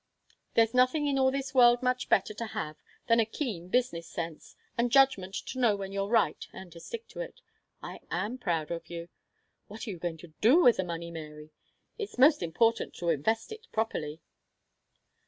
There's nothing in all this world much better to have than a keen business sense, and judgment to know when you're right and to stick to it. I am proud of you. What are you going to do with the money, Mary? It's most important to invest it properly."